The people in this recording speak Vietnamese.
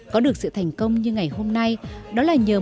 có được sự thành công như ngày hôm nay đó là nhờ một người đàn ông